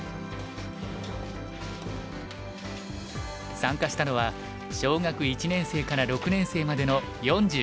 参加したのは小学１年生から６年生までの４５人。